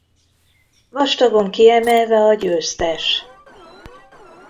Vastagon kiemelve a győztes.